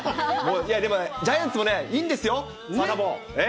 いや、でもね、ジャイアンツもね、いいんですよ、サタボー。